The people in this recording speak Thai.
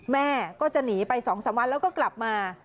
แม่ก็จะหนีไป๒๓วันแล้วก็กลับมา